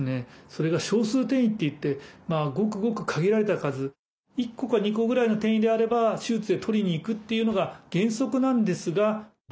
それが「少数転移」っていってごくごく限られた数１個か２個ぐらいの転移であれば手術でとりにいくっていうのが原則なんですが。